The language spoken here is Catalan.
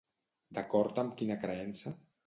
D'acord amb quina creença?